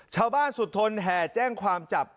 ชาวบ้านสุดทนแห่แจ้งความจับ